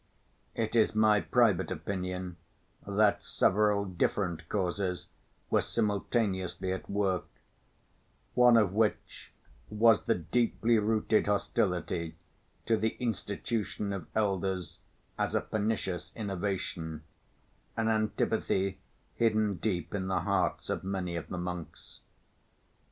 It is my private opinion that several different causes were simultaneously at work, one of which was the deeply‐rooted hostility to the institution of elders as a pernicious innovation, an antipathy hidden deep in the hearts of many of the monks.